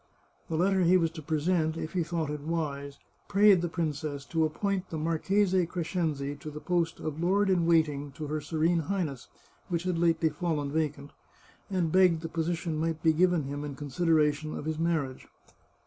The letter he was to present, if he thought it wise, prayed the princess 428 The Chartreuse of Parma to appoint the Marchese Crescenzi to the post of lord in waiting to her Serene Highness, which had lately fallen vacant, and begged the position might be given him in con sideration of his marriage.